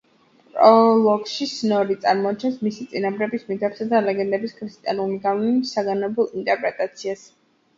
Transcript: პროლოგში სნორი წარმოაჩენს მისი წინაპრების მითებისა და ლეგენდების ქრისტიანული გავლენით შთაგონებულ ინტერპრეტაციას.